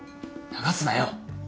流すなよ。